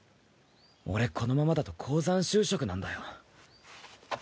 俺このままだと鉱山就職なんだよ。